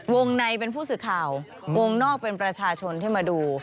ในเป็นผู้สื่อข่าววงนอกเป็นประชาชนที่มาดู